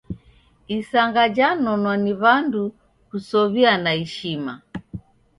Isanga janonwa ni w'andu kusow'iana ishma.